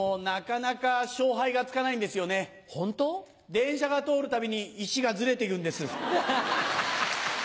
電車が通るたびに石がズレていくんです。